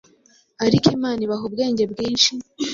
Ariko Imana Ibahubwenge bwinshi